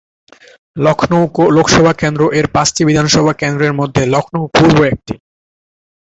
লখনউ লোকসভা কেন্দ্র-এর পাঁচটি বিধানসভা কেন্দ্রের মধ্যে লখনউ পূর্ব একটি।